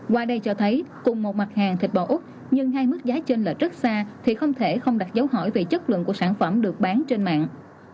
qua đây cho thấy cùng một mặt hàng thịt bò úc nhưng hai mức giá trên là rất xa thì không thể không đặt dấu hỏi về chất lượng của sản phẩm được bán trên mạng